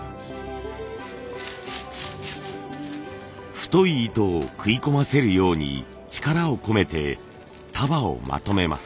太い糸を食い込ませるように力を込めて束をまとめます。